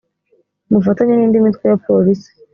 mu bufatanye n indi mitwe ya polisi